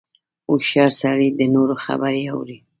• هوښیار سړی د نورو خبرې اوري.